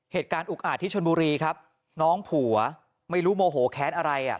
อุกอาจที่ชนบุรีครับน้องผัวไม่รู้โมโหแค้นอะไรอ่ะ